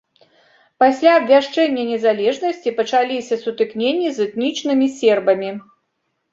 Пасля абвяшчэння незалежнасці пачаліся сутыкненні з этнічнымі сербамі.